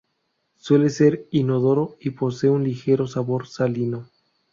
Suele ser inodoro y posee un ligero sabor salino.